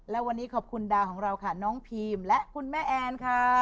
และวันนี้ขอบคุณดาวของเราค่ะน้องพีมและคุณแม่แอนค่ะ